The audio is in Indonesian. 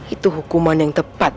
itu hukuman yang tepat